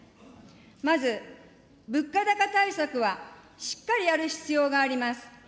まず、物価高対策は、しっかりやる必要があります。